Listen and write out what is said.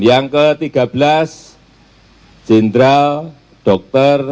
yang ke tiga belas jendral dr